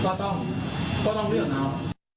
เพราะฉะนั้นพักเพื่อไทยก็ต้องเลือกน้อง